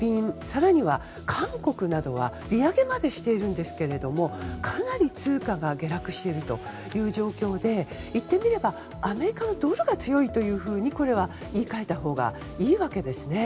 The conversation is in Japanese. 更には、韓国などは利上げまでしていますがかなり通貨が下落している状況でいってみればアメリカのドルが強いとこれは、言い換えたほうがいいわけですね。